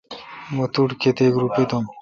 مہ توٹھ کیتیک روپہ دوم۔